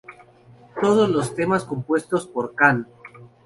Todos los temas compuestos por Can.